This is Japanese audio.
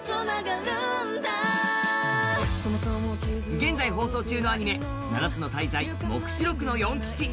現在放送中のアニメ、「七つの大罪黙示録の四騎士」。